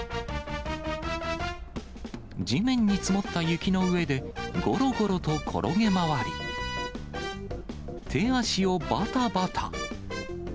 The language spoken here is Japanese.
地面に積もった雪の上で、ごろごろと転げ回り、手足をばたばた。